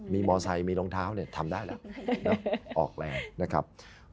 มีมอไซค์มีรองเท้าเนี่ยทำได้แล้วออกแรงนะครับ